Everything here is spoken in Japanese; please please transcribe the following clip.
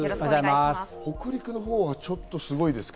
北陸のほうは、ちょっと雪がすごいですか？